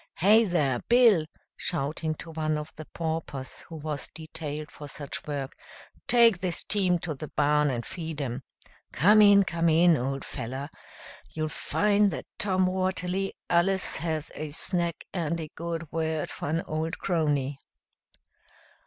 Hey, there, Bill!" shouting to one of the paupers who was detailed for such work, "take this team to the barn and feed 'em. Come in, come in, old feller! You'll find that Tom Watterly allus has a snack and a good word for an old crony."